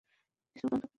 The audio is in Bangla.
কিছুর গন্ধ পেতে।